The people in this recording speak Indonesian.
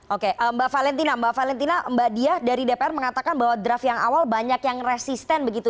oke mbak valentina mbak valentina mbak diah dari dpr mengatakan bahwa draft yang awal banyak yang resisten begitu